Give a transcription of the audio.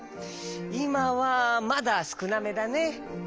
いまはまだすくなめだね。